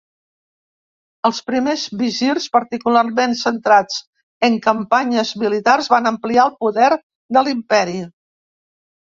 Els primers visirs particularment centrats en campanyes militars, van ampliar el poder de l'imperi.